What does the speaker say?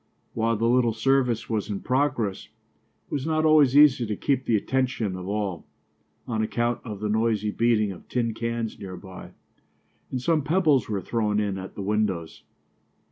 While the little service was in progress, it was not always easy to keep the attention of all, on account of the noisy beating of tin cans near by; and some pebbles were thrown in at the windows.